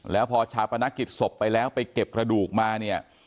แล้วพอชาปนกิจศพไปแล้วไปเก็บกระดูกมาเนี่ย